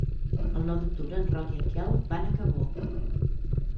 El nou d'octubre en Roc i en Quel van a Cabó.